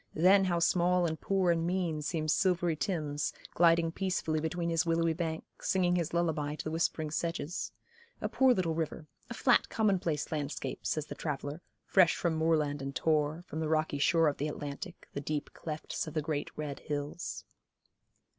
Then how small and poor and mean seems silvery Thames, gliding peacefully between his willowy bank, singing his lullaby to the whispering sedges; a poor little river, a flat commonplace landscape, says the traveller, fresh from moorland and tor, from the rocky shore of the Atlantic, the deep clefts of the great, red hills.